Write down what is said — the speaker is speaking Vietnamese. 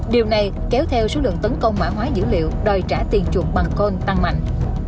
điều này kéo theo số lượng tấn công mã hóa dữ liệu đòi trả tiền chuộng bằng con tăng mạnh